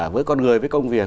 với con người với công việc